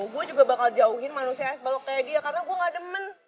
gue juga bakal jauhin manusia khas balok kayak dia karena gue gak demen